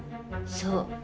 そう。